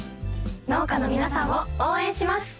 農家の皆さんを応援します！